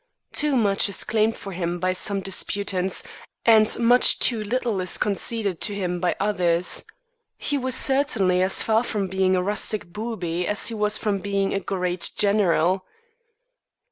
Too much is claimed for him by some disputants, and much too little is conceded to him by others. He was certainly as far from being a rustic booby as he was from being a great general.